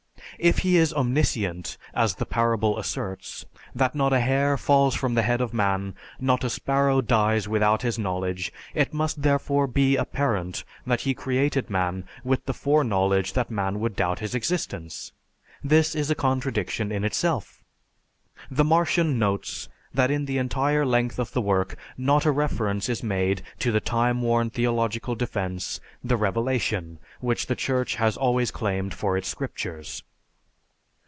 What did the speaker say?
If He is omniscient, as the parable asserts, that not a hair falls from the head of man, not a sparrow dies without His knowledge, it must therefore be apparent that He created man with the foreknowledge that man would doubt His existence. This is a contradiction in itself. The Martian notes that in the entire length of the work not a reference is made to the time worn theological defense, "the revelation" which the Church has always claimed for its scriptures.